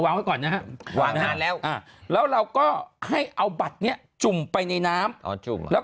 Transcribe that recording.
วางให้ก่อนนะครับแล้วเราก็ให้เอาบัตรเนี่ยจุ่มไปในน้ำแล้ว